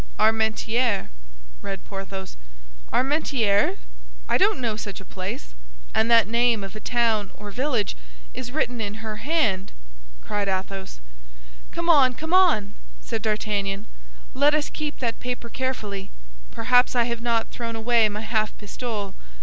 "Armentières," read Porthos; "Armentières? I don't know such a place." "And that name of a town or village is written in her hand!" cried Athos. "Come on, come on!" said D'Artagnan; "let us keep that paper carefully, perhaps I have not thrown away my half pistole.